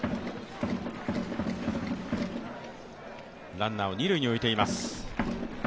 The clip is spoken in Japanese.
ランナーを二塁に置いています。